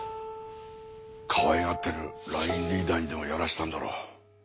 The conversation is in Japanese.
かわいがってるラインリーダーにでもやらせたんだろう。